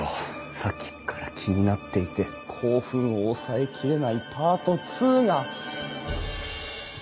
さっきっから気になっていて興奮を抑えきれないパート２が！